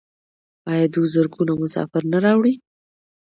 آیا دوی زرګونه مسافر نه راوړي؟